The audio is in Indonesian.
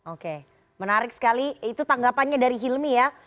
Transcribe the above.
oke menarik sekali itu tanggapannya dari hilmi ya